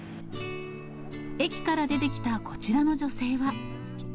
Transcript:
駅から出てきたこちらの女性は。